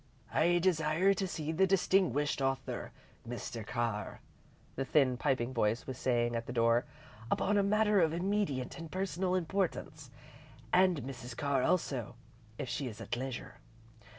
"I desire to see the distinguished author, Mr. Carr," the thin, piping voice was saying at the door, "upon a matter of immediate and personal importance. And Mrs. Carr also, if she is at leisure.